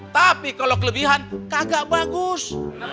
tapi kalau kelebihan agak bagus